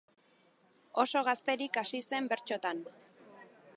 Oso gazterik hasi zen bertsotan.